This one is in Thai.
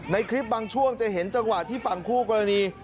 ในคลิปบางช่วงจะเห็นจังหวะที่ฝั่งคู่กรณี